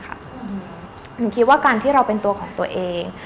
คิดว่าการที่เราเป็นตัวของตัวเอง